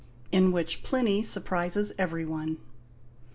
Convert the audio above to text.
IN WHICH PLINNY SURPRISES EVERYONE.